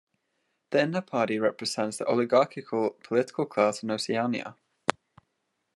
The Inner Party represents the oligarchical political class in Oceania.